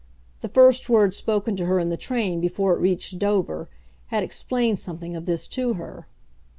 The first word spoken to her in the train, before it reached Dover, had explained something of this to her.